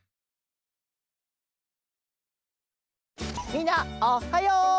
みんなおっはよう！